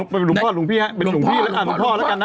อ๋อเป็นหลวงพ่อหลวงพี่แล้วกันนะ